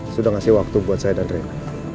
sudah ngasih waktu buat saya dan rena